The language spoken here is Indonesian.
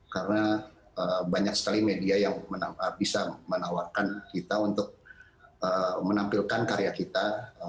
karena banyak sekali media yang bisa menawarkan kita untuk menampilkan karya kita